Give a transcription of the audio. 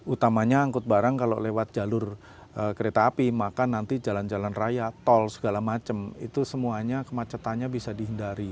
utamanya angkut barang kalau lewat jalur kereta api maka nanti jalan jalan raya tol segala macam itu semuanya kemacetannya bisa dihindari